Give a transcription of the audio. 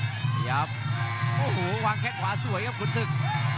พยายามโอ้โหวางแข้งขวาสวยครับขุนศึก